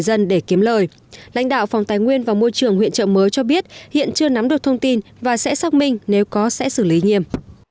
mặc dù cả lãnh đạo phòng tài nguyên và môi trường huyện chợ mới cho biết hiện chưa nắm được thông tin và sẽ xác minh nếu có sẽ xử lý nghiêm